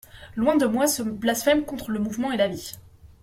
Loin de moi ce blasphème contre le mouvement et la vie.